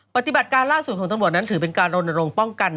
ปฏิบัติการล่าสุดของตำรวจนั้นถือเป็นการรณรงค์ป้องกัน